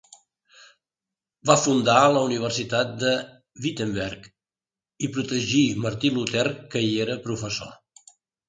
Va fundar la Universitat de Wittenberg i protegir Martí Luter que hi era professor.